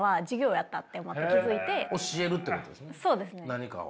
何かを。